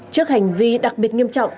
trước hành vi đặc biệt nghiêm trọng